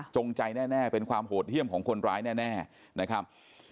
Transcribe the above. ใจแน่เป็นความโหดเยี่ยมของคนร้ายแน่นะครับ